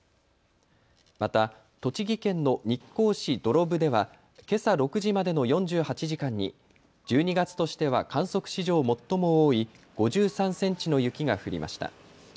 また栃木県の日光市土呂部ではけさ６時までの４８時間に１２月としては観測史上最も多い５３センチの雪が降りました。